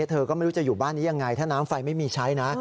เธอก็ไม่รู้จะอยู่บ้านนี้ยังไงถ้าน้ำไฟไม่มีใช้นะ